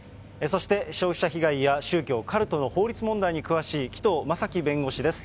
そして、消費者被害や宗教、カルトの法律問題に詳しい紀藤正樹弁護士です。